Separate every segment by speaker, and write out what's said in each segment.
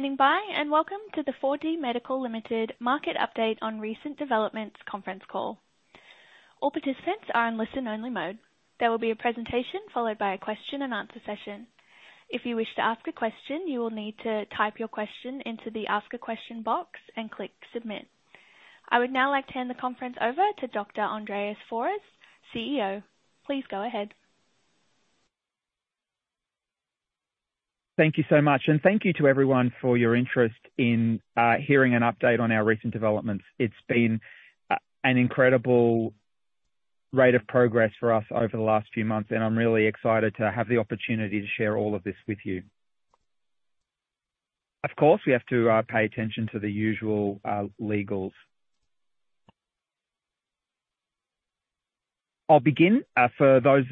Speaker 1: Thank you for standing by, and welcome to the 4DMedical Limited Market Update on Recent Developments conference call. All participants are in listen-only mode. There will be a presentation followed by a question-and-answer session. If you wish to ask a question, you will need to type your question into the Ask a Question box and click Submit. I would now like to hand the conference over to Dr. Andreas Fouras, CEO. Please go ahead.
Speaker 2: Thank you so much, and thank you to everyone for your interest in hearing an update on our recent developments. It's been an incredible rate of progress for us over the last few months, and I'm really excited to have the opportunity to share all of this with you. Of course, we have to pay attention to the usual legals. I'll begin for those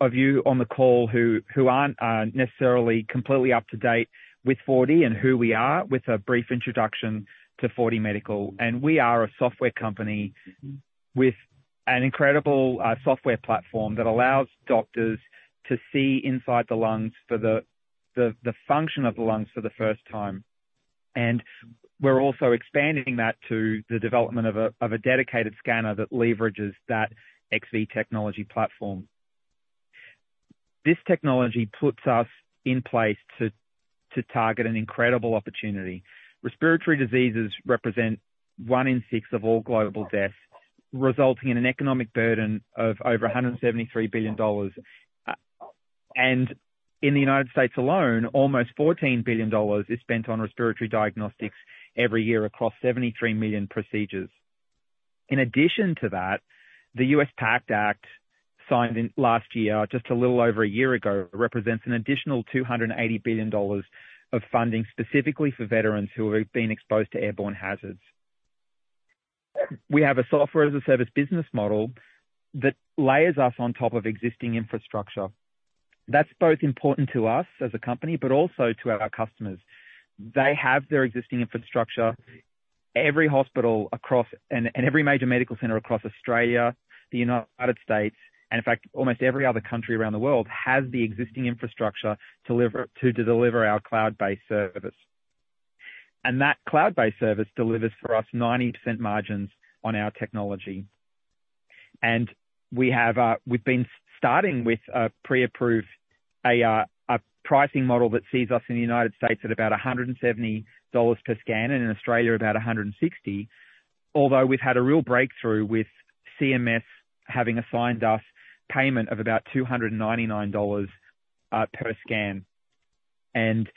Speaker 2: of you on the call who aren't necessarily completely up to date with 4DMedical and who we are, with a brief introduction to 4DMedical. We are a software company with an incredible software platform that allows doctors to see inside the lungs for the function of the lungs for the first time. We're also expanding that to the development of a dedicated scanner that leverages that XV Technology platform. This technology puts us in place to target an incredible opportunity. Respiratory diseases represent one in six of all global deaths, resulting in an economic burden of over $173 billion. And in the United States alone, almost $14 billion is spent on respiratory diagnostics every year across 73 million procedures. In addition to that, the U.S. PACT Act, signed in last year, just a little over a year ago, represents an additional $280 billion of funding specifically for veterans who have been exposed to airborne hazards. We have a software-as-a-service business model that layers us on top of existing infrastructure. That's both important to us as a company, but also to our customers. They have their existing infrastructure. Every hospital across and every major medical center across Australia, the United States, and in fact, almost every other country around the world, has the existing infrastructure to deliver our cloud-based service. And that cloud-based service delivers for us 90% margins on our technology. And we have. We've been starting with a pre-approved pricing model that sees us in the United States at about $170 per scan, and in Australia, about 160. Although we've had a real breakthrough with CMS having assigned us payment of about $299 per scan. And,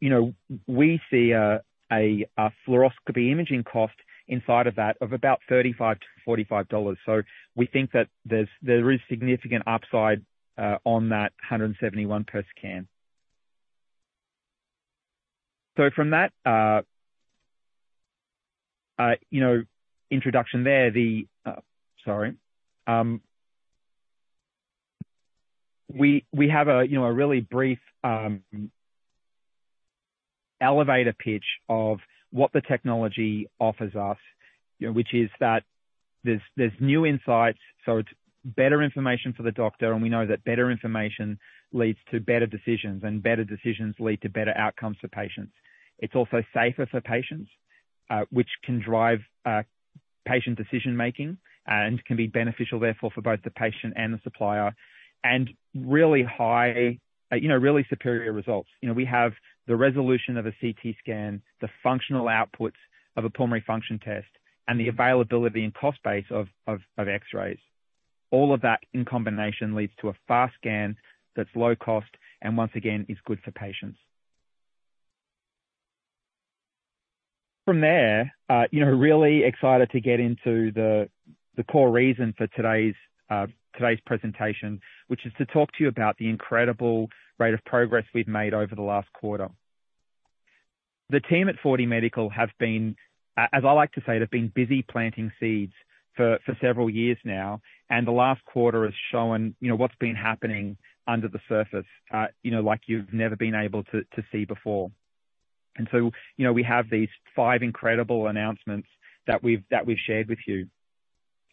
Speaker 2: you know, we see a fluoroscopy imaging cost inside of that of about $35-$45. So we think that there's, there is significant upside on that $171 per scan. So from that, you know, introduction there. We have a, you know, a really brief elevator pitch of what the technology offers us, you know, which is that there's new insights, so it's better information for the doctor, and we know that better information leads to better decisions, and better decisions lead to better outcomes for patients. It's also safer for patients, which can drive patient decision-making and can be beneficial, therefore, for both the patient and the supplier, and really high, you know, really superior results. You know, we have the resolution of a CT scan, the functional outputs of a pulmonary function test, and the availability and cost base of X-rays. All of that in combination leads to a fast scan that's low cost, and once again, is good for patients. From there, you know, really excited to get into the core reason for today's presentation, which is to talk to you about the incredible rate of progress we've made over the last quarter. The team at 4DMedical have been, as I like to say, they've been busy planting seeds for several years now, and the last quarter has shown, you know, what's been happening under the surface, you know, like you've never been able to see before. And so, you know, we have these five incredible announcements that we've shared with you,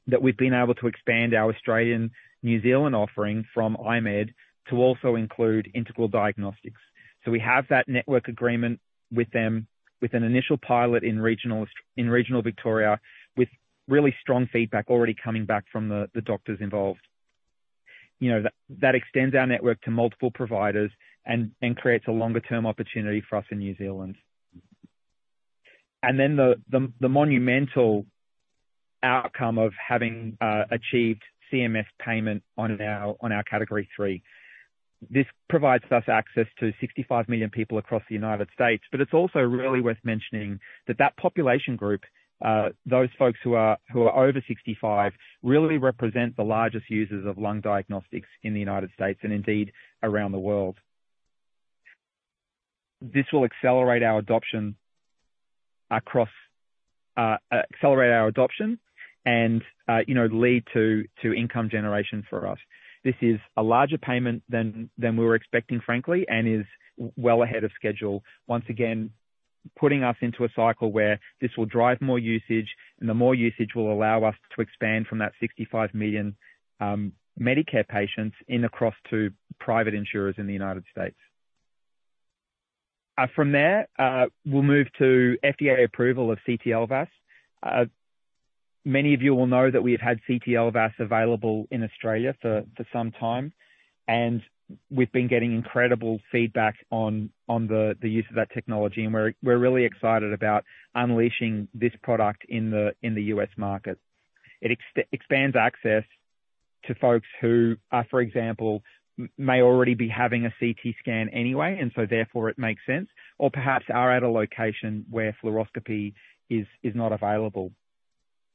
Speaker 2: that we've been able to expand our Australian, New Zealand offering from I-MED to also include Integral Diagnostics. We have that network agreement with them with an initial pilot in regional Victoria, with really strong feedback already coming back from the doctors involved. You know, that extends our network to multiple providers and creates a longer term opportunity for us in New Zealand. And then the monumental outcome of having achieved CMS payment on our Category III. This provides us access to 65 million people across the United States, but it's also really worth mentioning that that population group, those folks who are over 65, really represent the largest users of lung diagnostics in the United States and indeed around the world. This will accelerate our adoption and you know lead to income generation for us. This is a larger payment than we were expecting, frankly, and is well ahead of schedule. Once again, putting us into a cycle where this will drive more usage, and the more usage will allow us to expand from that 65 million Medicare patients in across to private insurers in the United States. From there, we'll move to FDA approval of CT LVAS. Many of you will know that we've had CT LVAS available in Australia for some time, and we've been getting incredible feedback on the use of that technology, and we're really excited about unleashing this product in the US market. It expands access to folks who are, for example, may already be having a CT scan anyway, and so therefore it makes sense, or perhaps are at a location where fluoroscopy is not available.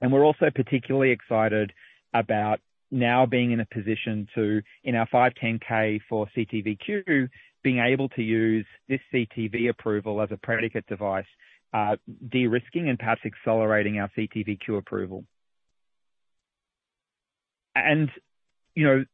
Speaker 2: We're also particularly excited about now being in a position to, in our 510(k) for CT:VQ, being able to use this CTV approval as a predicate device, de-risking and perhaps accelerating our CT:VQ approval. You know,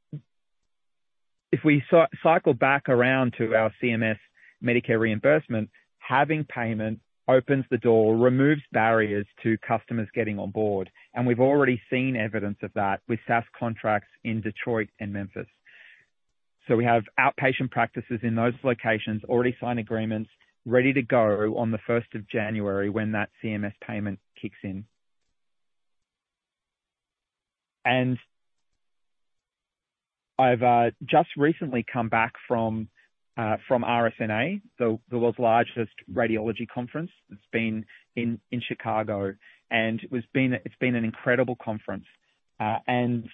Speaker 2: if we cycle back around to our CMS Medicare reimbursement, having payment opens the door, removes barriers to customers getting on board, and we've already seen evidence of that with SaaS contracts in Detroit and Memphis. So we have outpatient practices in those locations, already signed agreements, ready to go on the first of January when that CMS payment kicks in. And I've just recently come back from RSNA, the world's largest radiology conference. It's been in Chicago, and it has been an incredible conference. And,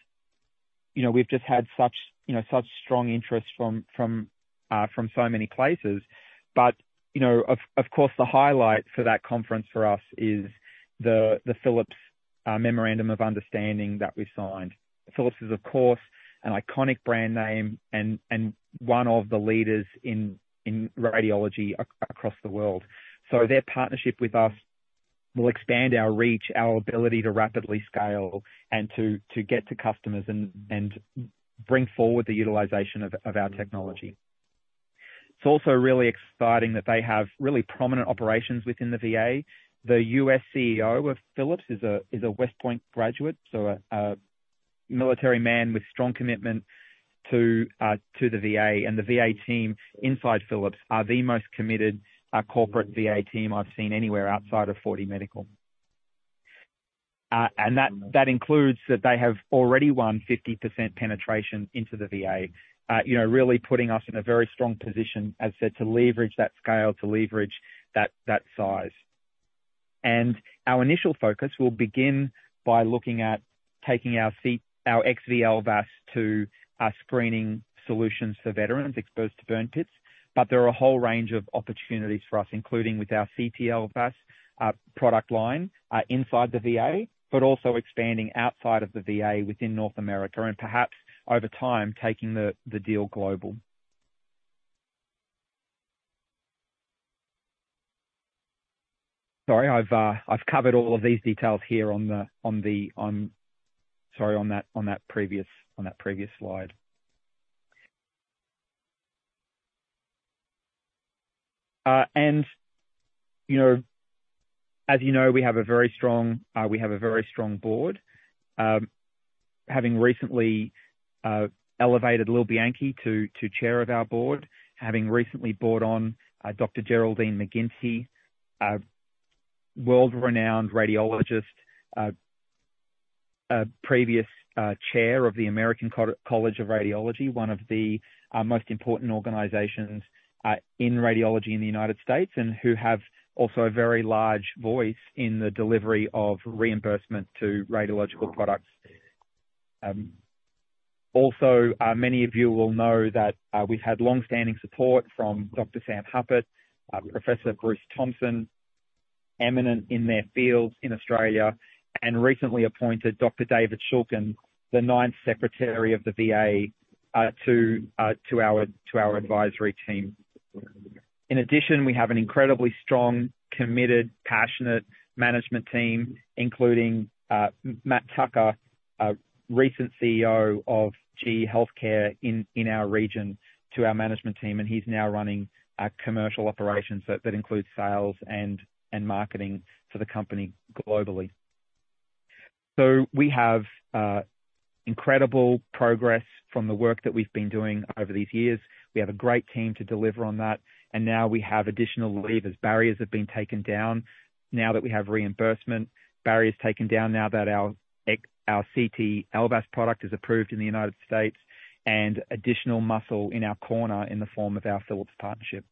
Speaker 2: you know, we've just had such, you know, such strong interest from so many places. But, you know, of course, the highlight for that conference for us is the Philips Memorandum of Understanding that we signed. Philips is, of course, an iconic brand name and one of the leaders in radiology across the world. So their partnership with us will expand our reach, our ability to rapidly scale and to get to customers and bring forward the utilization of our technology. It's also really exciting that they have really prominent operations within the VA. The US CEO of Philips is a West Point graduate, so a military man with strong commitment to the VA. And the VA team inside Philips are the most committed corporate VA team I've seen anywhere outside of 4DMedical. And that includes that they have already won 50% penetration into the VA, you know, really putting us in a very strong position, as said, to leverage that scale, to leverage that size. And our initial focus will begin by looking at taking our C- our XV LVAS to screening solutions for veterans exposed to burn pits. But there are a whole range of opportunities for us, including with our CT LVAS product line inside the VA, but also expanding outside of the VA within North America, and perhaps over time, taking the deal global. Sorry, I've covered all of these details here on that previous slide. And, you know, as you know, we have a very strong board. Having recently elevated Lil Bianchi to chair of our board, having recently brought on Dr. Geraldine McGinty, a world-renowned radiologist, a previous chair of the American College of Radiology, one of the most important organizations in radiology in the United States, and who have also a very large voice in the delivery of reimbursement to radiological products. Also, many of you will k now that, we've had long-standing support from Dr. Sam Hupert, Professor Bruce Thompson, eminent in their field in Australia, and recently appointed Dr. David Shulkin, the ninth Secretary of the VA, to our advisory team. In addition, we have an incredibly strong, committed, passionate management team, including Matt Tucker, a recent CEO of GE Healthcare in our region, to our management team, and he's now running our commercial operations. So that includes sales and marketing for the company globally. So we have incredible progress from the work that we've been doing over these years. We have a great team to deliver on that, and now we have additional levers. Barriers have been taken down now that we have reimbursement, barriers taken down now that our CT LVAS product is approved in the United States, and additional muscle in our corner in the form of our Philips partnership.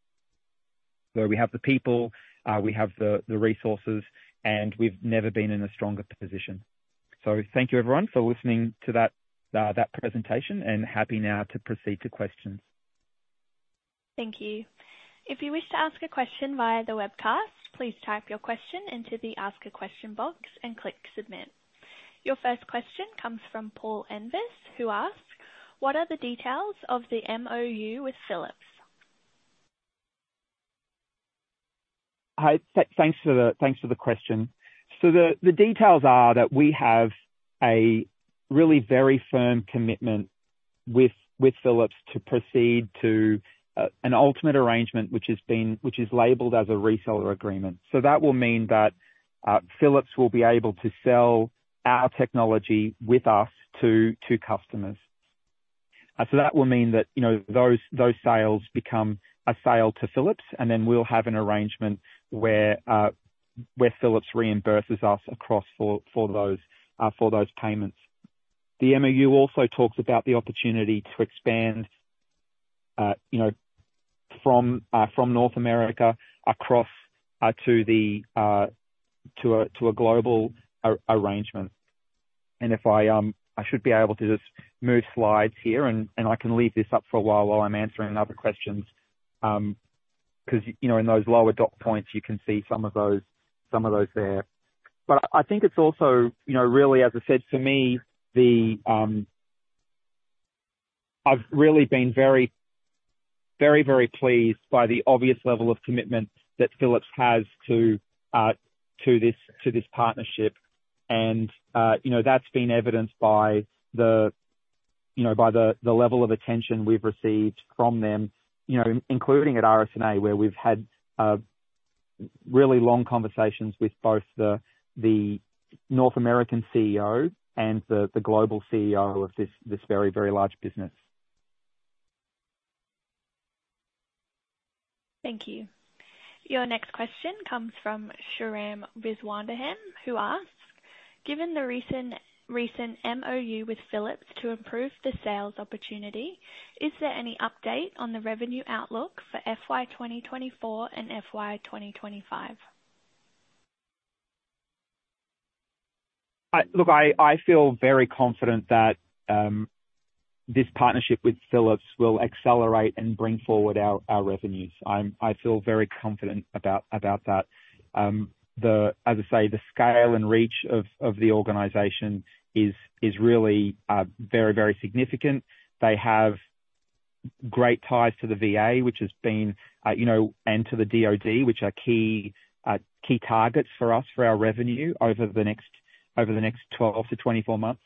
Speaker 2: So we have the people, we have the resources, and we've never been in a stronger position. So thank you, everyone, for listening to that presentation, and happy now to proceed to questions.
Speaker 1: Thank you. If you wish to ask a question via the webcast, please type your question into the Ask a Question box and click Submit. Your first question comes from Paul Evans, who asks: What are the details of the MOU with Philips?
Speaker 2: Hi, thanks for the question. So the details are that we have a really very firm commitment with Philips to proceed to an ultimate arrangement, which is labeled as a reseller agreement. So that will mean that Philips will be able to sell our technology with us to customers. So that will mean that, you know, those sales become a sale to Philips, and then we'll have an arrangement where Philips reimburses us for those payments. The MOU also talks about the opportunity to expand, you know, from North America across to a global arrangement. And if I, I should be able to just move slides here, and, and I can leave this up for a while, while I'm answering other questions, 'cause, you know, in those lower dot points, you can see some of those, some of those there. But I think it's also, you know, really, as I said, to me, the... I've really been very, very, very pleased by the obvious level of commitment that Philips has to, to this, to this partnership. And, you know, that's been evidenced by the, you know, by the, the level of attention we've received from them, you know, including at RSNA, where we've had, really long conversations with both the, the North American CEO and the, the global CEO of this, this very, very large business.
Speaker 1: Thank you. Your next question comes from, who asks: Given the recent MOU with Philips to improve the sales opportunity, is there any update on the revenue outlook for FY 2024 and FY 2025?
Speaker 2: Look, I feel very confident that this partnership with Philips will accelerate and bring forward our revenues. I feel very confident about that. As I say, the scale and reach of the organization is really very, very significant. They have great ties to the VA, which has been, you know, and to the DoD, which are key targets for us for our revenue over the next 12-24 months.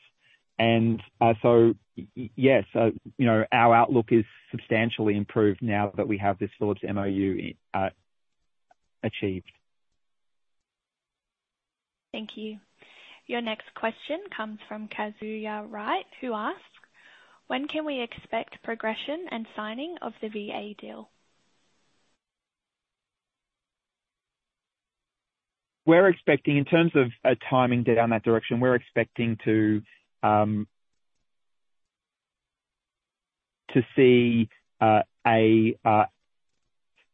Speaker 2: So yes, you know, our outlook is substantially improved now that we have this Philips MOU achieved.
Speaker 1: Thank you. Your next question comes from Kazuya Wright, who asks: When can we expect progression and signing of the VA deal?
Speaker 2: We're expecting, in terms of a timing down that direction, we're expecting to see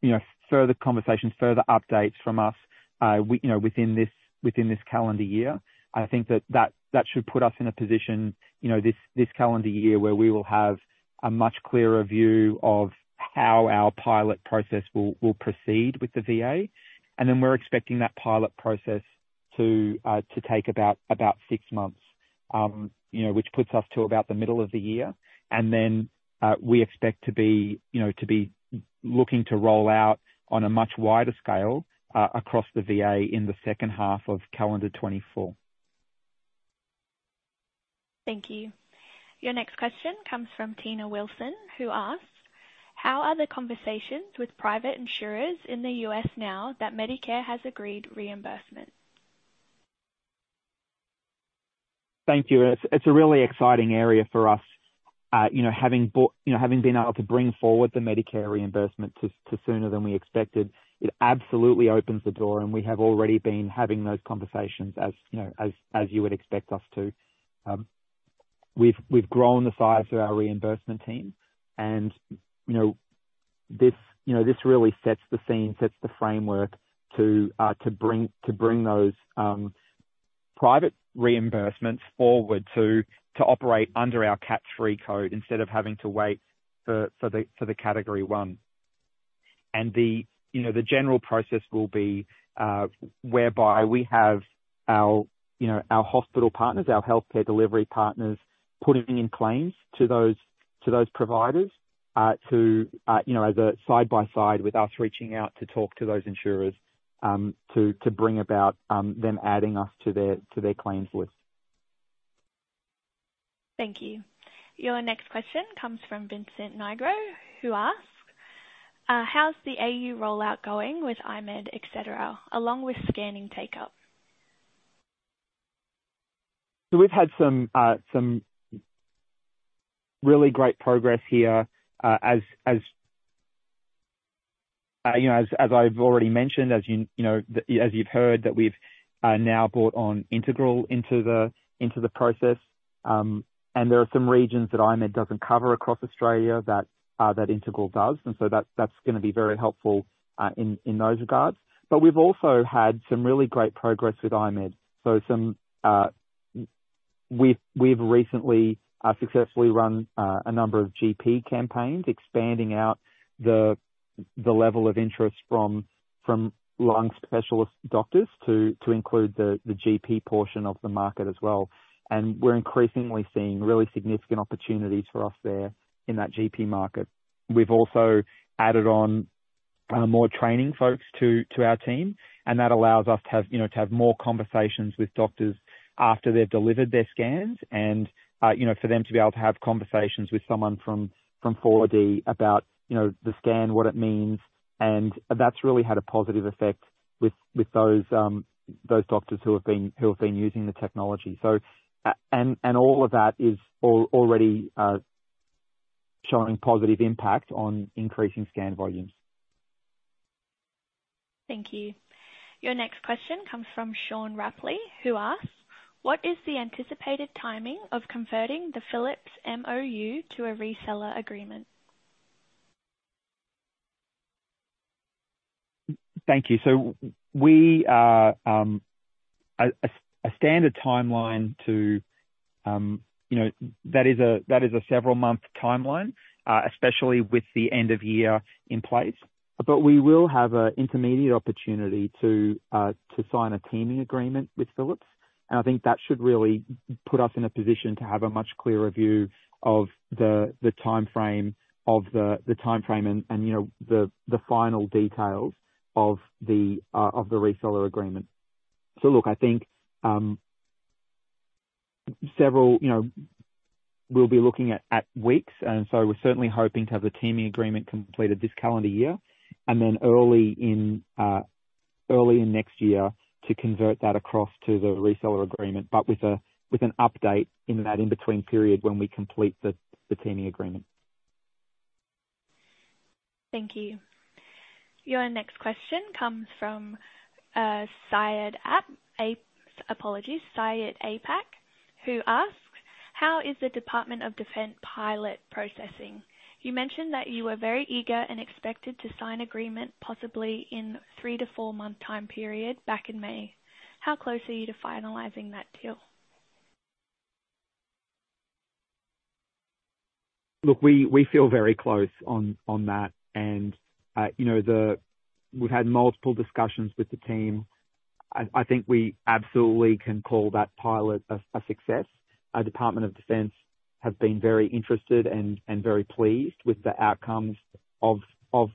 Speaker 2: you know, further conversations, further updates from us, you know, within this calendar year. I think that should put us in a position, you know, this calendar year, where we will have a much clearer view of how our pilot process will proceed with the VA. And then we're expecting that pilot process to take about six months, you know, which puts us to about the middle of the year. And then, we expect to be, you know, to be looking to roll out on a much wider scale, across the VA in the second half of calendar 2024.
Speaker 1: Thank you. Your next question comes from Tina Wilson, who asks: How are the conversations with private insurers in the U.S. now that Medicare has agreed reimbursement?
Speaker 2: Thank you. It's, it's a really exciting area for us. You know, having been able to bring forward the Medicare reimbursement to sooner than we expected, it absolutely opens the door, and we have already been having those conversations as, you know, as you would expect us to. We've grown the size of our reimbursement team, and, you know, this really sets the scene, sets the framework to bring those private reimbursements forward to operate under our Cat Three code instead of having to wait for the Category I. And, you know, the general process will be whereby we have our, you know, our hospital partners, our healthcare delivery partners putting in claims to those, to those providers, to, you know, as a side by side with us, reaching out to talk to those insurers, to, to bring about them adding us to their, to their claims list.
Speaker 1: Thank you. Your next question comes from Vincent Nigro, who asks: how's the AU rollout going with I-MED, et cetera, along with scanning take-up?
Speaker 2: So we've had some really great progress here. As you know, as I've already mentioned, as you know, as you've heard, that we've now brought on Integral into the process. And there are some regions that I-MED doesn't cover across Australia that Integral does, and so that's gonna be very helpful in those regards. But we've also had some really great progress with I-MED. We've recently successfully run a number of GP campaigns, expanding out the level of interest from lung specialist doctors to include the GP portion of the market as well. And we're increasingly seeing really significant opportunities for us there in that GP market. We've also added on more training folks to our team, and that allows us to have, you know, to have more conversations with doctors after they've delivered their scans and, you know, for them to be able to have conversations with someone from 4D about, you know, the scan, what it means. And that's really had a positive effect with those doctors who have been using the technology. So, and all of that is already showing positive impact on increasing scan volumes.
Speaker 1: Thank you. Your next question comes from Sean Rapley, who asks: What is the anticipated timing of converting the Philips MOU to a reseller agreement?
Speaker 2: Thank you. So we are, you know, a standard timeline to that is a several month timeline, especially with the end of year in place. But we will have an intermediate opportunity to sign a teaming agreement with Philips, and I think that should really put us in a position to have a much clearer view of the timeframe, of the timeframe and, you know, the final details of the reseller agreement. So look, I think, several, you know, we'll be looking at weeks, and so we're certainly hoping to have the teaming agreement completed this calendar year, and then early in next year to convert that across to the reseller agreement, but with an update in that in-between period when we complete the teaming agreement.
Speaker 1: Thank you. Your next question comes from, Syed Ap—apologies, Syed Apak, who asks: How is the Department of Defense pilot processing? You mentioned that you were very eager and expected to sign agreement, possibly in three to four month time period back in May. How close are you to finalizing that deal?
Speaker 2: Look, we feel very close on that, and, you know, the... We've had multiple discussions with the team. I think we absolutely can call that pilot a success. Our Department of Defense have been very interested and very pleased with the outcomes of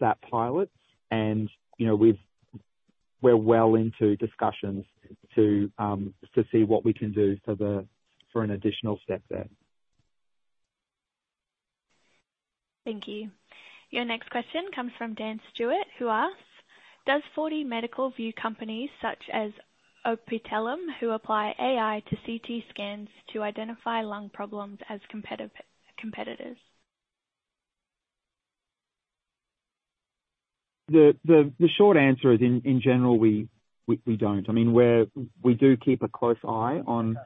Speaker 2: that pilot, and, you know, we're well into discussions to see what we can do for the, for an additional step there.
Speaker 1: Thank you. Your next question comes from Dan Stewart, who asks: Does 4DMedical view companies such as Optellum, who apply AI to CT scans to identify lung problems, as competitors?
Speaker 2: The short answer is, in general, we don't. I mean, we do keep a close eye on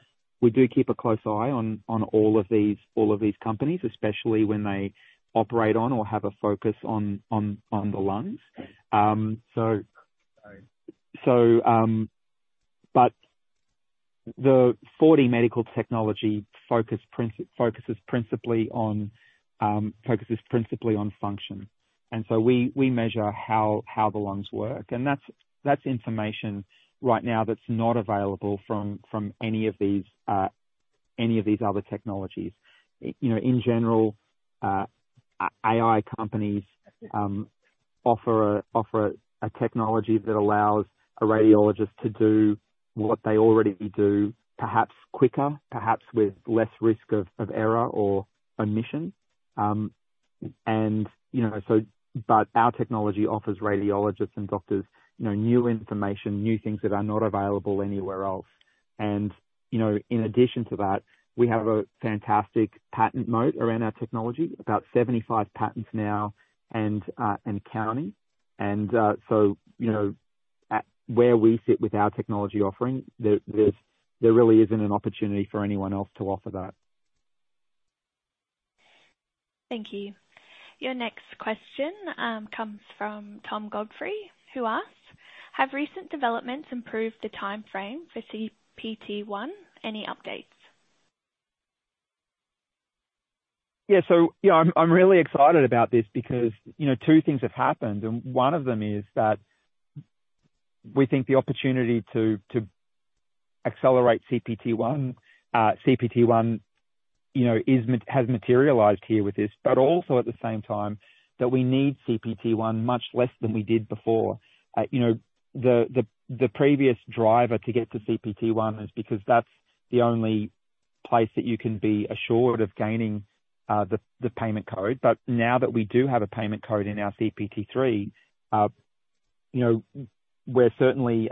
Speaker 2: all of these companies, especially when they operate on or have a focus on the lungs. But the 4DMedical technology focuses principally on function. And so we measure how the lungs work, and that's information right now that's not available from any of these other technologies. You know, in general, AI companies offer a technology that allows a radiologist to do what they already do, perhaps quicker, perhaps with less risk of error or omission. You know, but our technology offers radiologists and doctors, you know, new information, new things that are not available anywhere else. And, you know, in addition to that, we have a fantastic patent moat around our technology, about 75 patents now and counting. And, so, you know, at where we sit with our technology offering, there's really isn't an opportunity for anyone else to offer that.
Speaker 1: Thank you. Your next question comes from Tom Godfrey, who asks: Have recent developments improved the timeframe for CPT? Any updates?
Speaker 2: Yeah. So, yeah, I'm really excited about this because, you know, two things have happened, and one of them is that we think the opportunity to accelerate CPT 1, you know, has materialized here with this, but also at the same time, that we need CPT 1 much less than we did before. You know, the previous driver to get to CPT 1 is because that's the only place that you can be assured of gaining the payment code. But now that we do have a payment code in our CPT 3, you know, we're certainly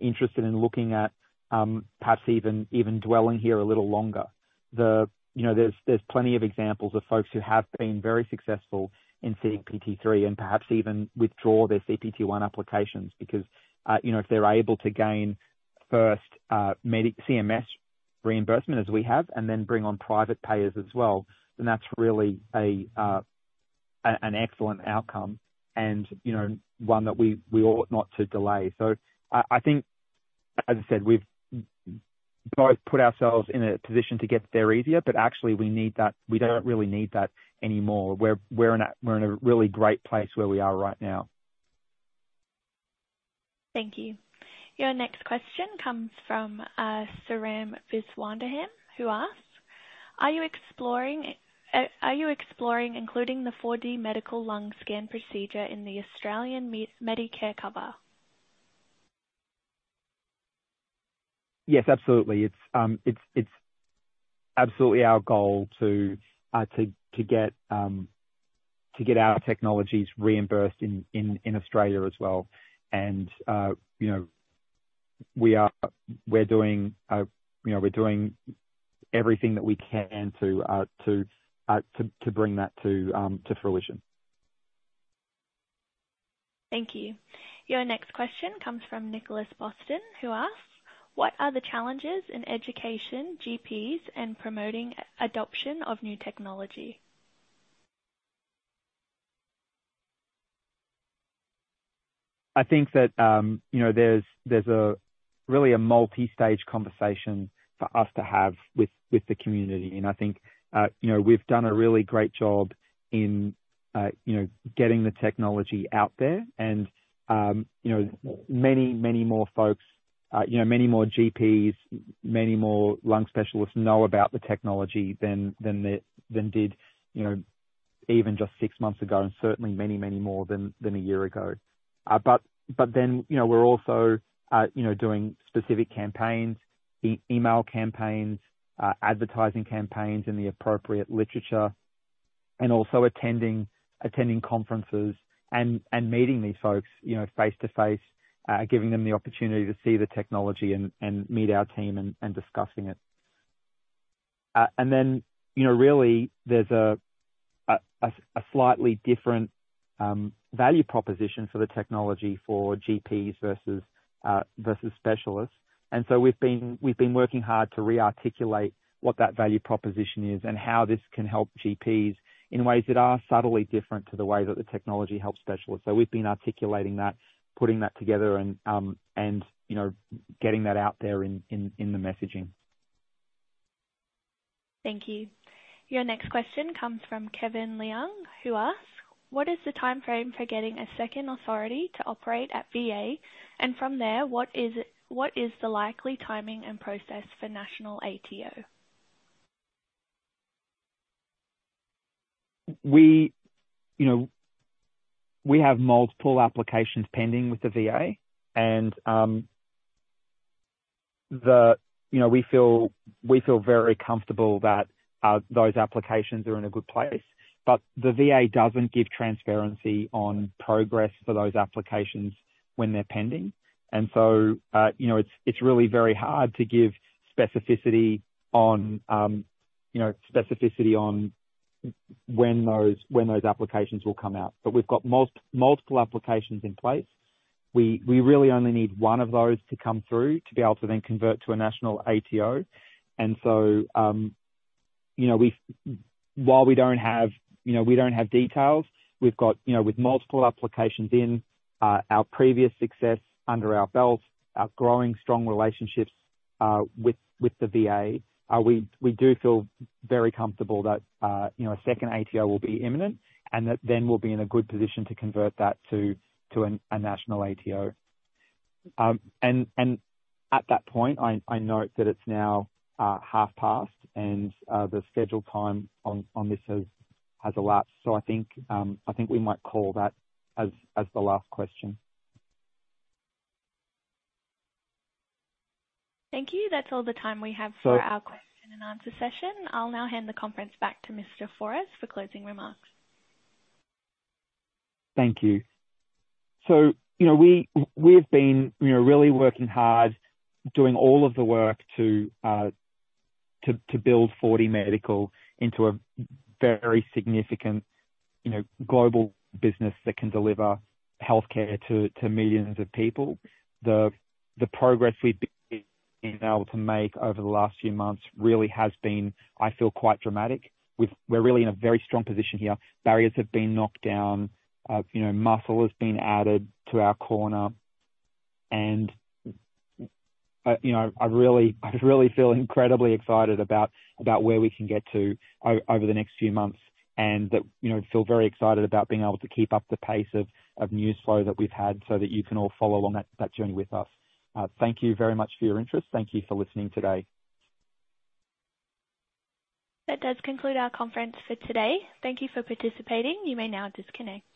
Speaker 2: interested in looking at, perhaps even dwelling here a little longer. The... You know, there's plenty of examples of folks who have been very successful in CPT 3 and perhaps even withdraw their CPT 1 applications because, you know, if they're able to gain first, CMS reimbursement as we have, and then bring on private payers as well, then that's really an excellent outcome and, you know, one that we ought not to delay. So I think, as I said, we've both put ourselves in a position to get there easier, but actually we need that - we don't really need that anymore. We're in a really great place where we are right now.
Speaker 1: Thank you. Your next question comes from Sriram Viswanathan, who asks, "Are you exploring, are you exploring including the 4DMedical lung scan procedure in the Australian Medicare cover?
Speaker 2: Yes, absolutely. It's absolutely our goal to get our technologies reimbursed in Australia as well. And, you know, we're doing, you know, we're doing everything that we can to bring that to fruition.
Speaker 1: Thank you. Your next question comes from Nicholas Boston, who asks, "What are the challenges in education, GPs, and promoting adoption of new technology?
Speaker 2: I think that, you know, there's a really a multi-stage conversation for us to have with the community. And I think, you know, we've done a really great job in, you know, getting the technology out there. And, you know, many, many more folks, you know, many more GPs, many more lung specialists know about the technology than did, you know, even just six months ago, and certainly many, many more than a year ago. But then, you know, we're also, you know, doing specific campaigns, email campaigns, advertising campaigns in the appropriate literature, and also attending conferences and meeting these folks, you know, face-to-face. Giving them the opportunity to see the technology and meet our team and discussing it. And then, you know, really there's a slightly different value proposition for the technology for GPs versus specialists. And so we've been working hard to re-articulate what that value proposition is and how this can help GPs in ways that are subtly different to the way that the technology helps specialists. So we've been articulating that, putting that together, and, you know, getting that out there in the messaging.
Speaker 1: Thank you. Your next question comes from Kevin Liang, who asks, "What is the timeframe for getting a second Authority to Operate at VA? And from there, what is the likely timing and process for national ATO?
Speaker 2: We, you know, we have multiple applications pending with the VA, and, the, you know, we feel, we feel very comfortable that, those applications are in a good place. But the VA doesn't give transparency on progress for those applications when they're pending. And so, you know, it's, it's really very hard to give specificity on, you know, specificity on when those, when those applications will come out. But we've got multiple applications in place. We, we really only need one of those to come through to be able to then convert to a national ATO. And so, you know, while we don't have, you know, we don't have details, we've got, you know, with multiple applications in, our previous success under our belt, our growing strong relationships with the VA, we do feel very comfortable that, you know, a second ATO will be imminent, and that then we'll be in a good position to convert that to a national ATO. And at that point, I note that it's now half past, and the scheduled time on this has elapsed. So I think we might call that as the last question.
Speaker 1: Thank you. That's all the time we have for-
Speaker 2: So-
Speaker 1: Our question and answer session. I'll now hand the conference back to Mr. Fouras for closing remarks.
Speaker 2: Thank you. So, you know, we, we've been, you know, really working hard, doing all of the work to, to, to build 4DMedical into a very significant, you know, global business that can deliver healthcare to, to millions of people. The progress we've been able to make over the last few months really has been, I feel, quite dramatic. We're really in a very strong position here. Barriers have been knocked down, you know, muscle has been added to our corner, and, you know, I really feel incredibly excited about, about where we can get to over the next few months and that, you know, feel very excited about being able to keep up the pace of, of news flow that we've had so that you can all follow along that, that journey with us. Thank you very much for your interest. Thank you for listening today.
Speaker 1: That does conclude our conference for today. Thank you for participating. You may now disconnect.